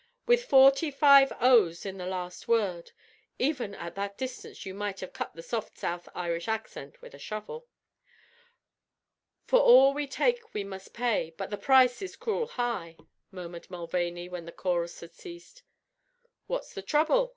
with forty five o's in the last word. Even at that distance you might have cut the soft South Irish accent with a shovel. "For all we take we must pay; but the price is cruel high," murmured Mulvaney when the chorus had ceased. "What's the trouble?"